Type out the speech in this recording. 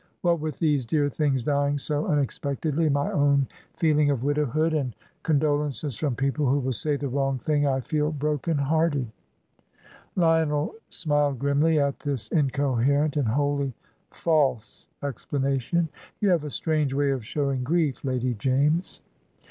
What with these dear things dying so unexpectedly, and my own feeling of widowhood, and condolences from people who will say the wrong thing, I feel broken hearted." Lionel smiled grimly at this incoherent and wholly false explanation. "You have a strange way of showing grief, Lady James."